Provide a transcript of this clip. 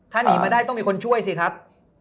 ถ้าหนีมาได้ต้องมีคนช่วยสิครับ